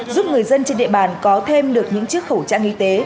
giúp người dân trên địa bàn có thêm được những chiếc khẩu trang y tế